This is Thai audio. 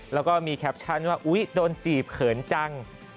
แล้วก็มีแคปชั่นว่าอุ๊ยโดนจีบเขินจัง